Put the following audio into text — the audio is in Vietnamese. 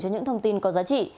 cho những thông tin có giá trị